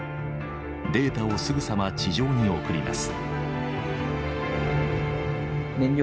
データをすぐさま地上に送ります。